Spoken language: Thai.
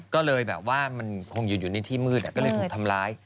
ก็เลยแบบว่ามันคงอยู่ในที่มืดก็เลยถูกทำร้าย